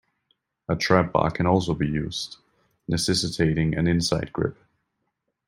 A trapbar can also be used, necessitating an inside grip.